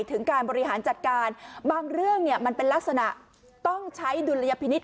ถึงการบริหารจัดการบางเรื่องเนี่ยมันเป็นลักษณะต้องใช้ดุลยพินิษฐ